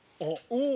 おお！